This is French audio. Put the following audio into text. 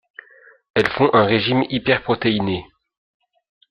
Elles font un régime hyper protéiné.